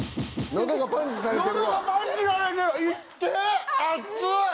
喉がパンチされてる。